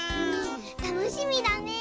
たのしみだねえ。